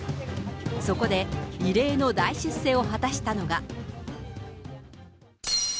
そこで、異例の大出世を果たしたのが。